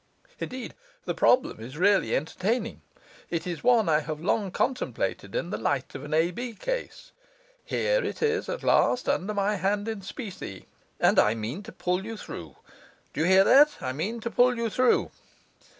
Indeed, the problem is really entertaining; it is one I have long contemplated in the light of an A. B. case; here it is at last under my hand in specie; and I mean to pull you through. Do you hear that? I mean to pull you through.